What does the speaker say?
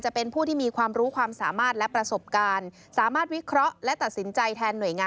เช่นกรมชนประทาน